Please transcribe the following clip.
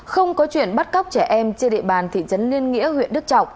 không có chuyện bắt cóc trẻ em trên địa bàn thị trấn liên nghĩa huyện đức trọng